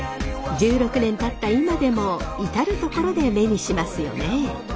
１６年たった今でも至る所で目にしますよね。